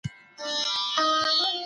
څېړونکی باید خپله داستاني اثر وڅېړي.